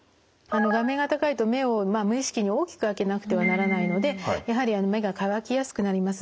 画面が高いと目を無意識に大きく開けなくてはならないのでやはり目が乾きやすくなります。